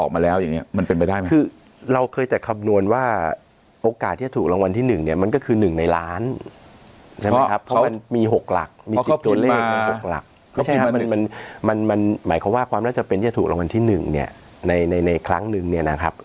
ไม่ใช่ครับหมายความว่าความรักจะเป็นที่จะถูกรางวัลที่๑ในครั้ง๑นะครับ